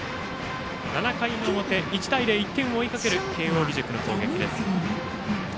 ７回の表、１対０で１点を追いかける慶応義塾の攻撃。